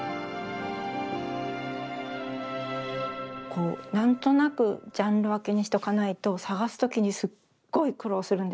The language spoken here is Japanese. こう何となくジャンル分けにしとかないと探す時にすっごい苦労するんですね。